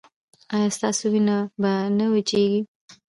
ایا ستاسو وینه به نه وچیږي؟